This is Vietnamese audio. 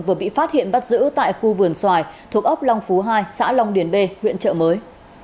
vừa bị phát hiện bắt giữ tại khu vườn xoài thuộc ốc long phú hai xã long điền b huyện trợ mới